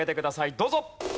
どうぞ！